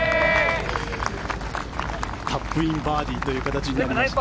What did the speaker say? タップインバーディーとなりました。